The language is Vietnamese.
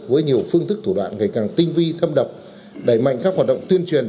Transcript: với nhiều phương thức thủ đoạn ngày càng tinh vi thâm đập đẩy mạnh các hoạt động tuyên truyền